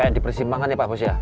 yang di persimbangan ya pak bos ya